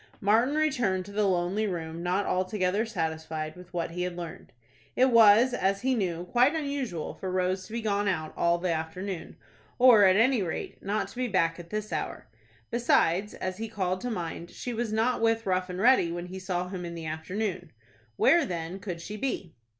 Martin returned to the lonely room, not altogether satisfied with what he had learned. It was, as he knew, quite unusual for Rose to be gone out all the afternoon, or, at any rate, not to be back at this hour. Besides, as he called to mind, she was not with Rough and Ready when he saw him in the afternoon. Where, then, could she be?